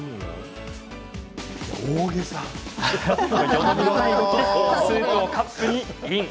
よどみのない動きでスープをカップにイン。